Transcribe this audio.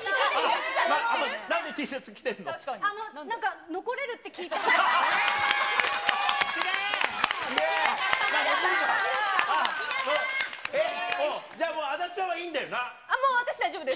なんか、残れるって聞いたんで。